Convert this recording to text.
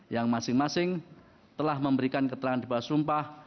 yang masing masing telah memberikan keterangan di bawah sumpah